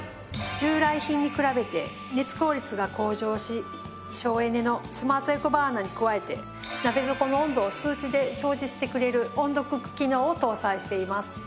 従来品に比べて熱効率が向上し省エネのスマートエコバーナーに加えて鍋底の温度を数値で表示してくれる温度クック機能を搭載しています。